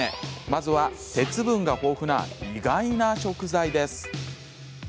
まずは鉄分が豊富な意外な食材です。